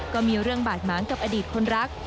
ก็มีเรื่องบาดหมางกับอดีตคนรัก